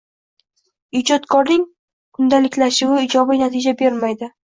Ijodkorning kundaliklashuvi ijobiy natija bermaydi.